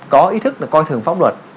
có ý thức coi thường pháp luật